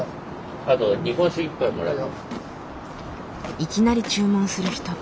いきなり注文する人。